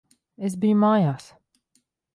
Es biju mājās.